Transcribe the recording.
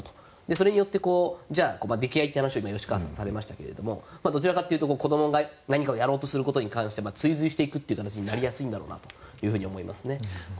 それによって、溺愛って話を今、吉川さんがされましたけどもどちらかというと子どもが何かをやろうとすることについて追随していくことが多いんだろうなと思いますね。